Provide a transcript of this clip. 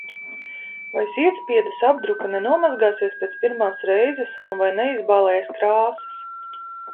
Vai sietspiedes apdruka nenomazgāsies pēc pirmās reizes un vai neizbalēs krāsas?